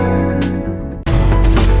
lagi ambil kursus ini actingnya